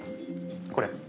これ。